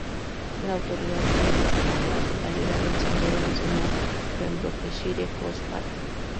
La autoridad administra la totalidad del sendero nacional Pembrokeshire Coast Path.